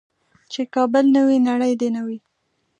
چې کابل نه وي نړۍ دې نه وي.